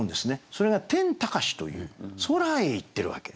それが「天高し」という空へいってるわけ。